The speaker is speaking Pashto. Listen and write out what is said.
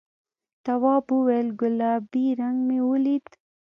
تواب وویل گلابي رنګ مې ولید.